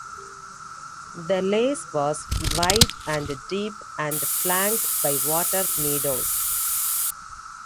The Lys was wide and deep and flanked by water meadows.